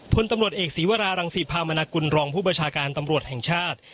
พลตำรวจเอกศีวรารังศรีพามนากุลรองผู้บัญชาการตำรวจแห่งชาติ